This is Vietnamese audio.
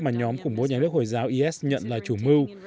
mà nhóm khủng bố nhà nước hồi giáo is nhận là chủ mưu